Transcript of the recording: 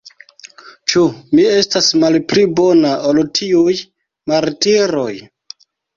Ĉu mi estas malpli bona, ol tiuj martiroj?